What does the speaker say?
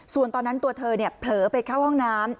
ส่วนตอนนั้นตัวเธอเผลอไปเข้าห้องน้ำ